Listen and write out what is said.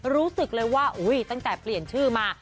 รู้สึกเลยว่าตั้งแต่เปลี่ยนชื่อมา